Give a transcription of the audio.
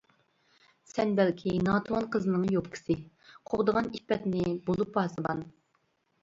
سەن بەلكى، ناتىۋان قىزنىڭ يوپكىسى، قوغدىغان ئىپپەتنى بولۇپ پاسىبان.